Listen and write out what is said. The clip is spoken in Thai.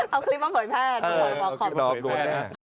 เอาคลิปอ้อมโผยแพทย์ทุกคนก็คอมออมโผยแพทย์